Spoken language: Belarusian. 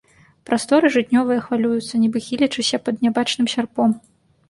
Прасторы жытнёвыя хвалююцца, нібы хілячыся пад нябачным сярпом.